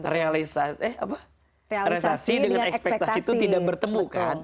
realisasi dengan ekspektasi itu tidak bertemu kan